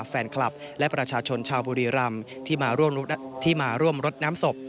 แฟนคลับและประชาชนชาวบุรีรำที่มาร่วมรดน้ำศพ